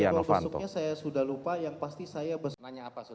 kalau untuk di bawah besoknya saya sudah lupa yang pasti saya besoknya